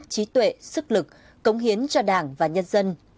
trí tuệ sức lực cống hiến cho đảng và nhân dân